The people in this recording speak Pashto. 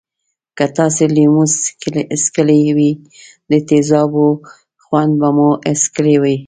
که تاسې لیمو څکلی وي د تیزابو خوند به مو حس کړی وی.